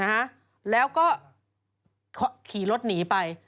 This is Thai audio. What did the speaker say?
นะฮะแล้วก็ขี่รถหนีไป